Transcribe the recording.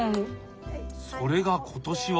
それが今年は！